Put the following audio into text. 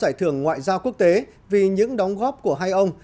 ngoại trưởng ngoại giao quốc tế vì những đóng góp của hai ông